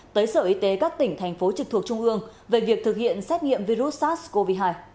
tới sở y tế các tỉnh thành phố trực thuộc trung ương về việc thực hiện xét nghiệm virus sars cov hai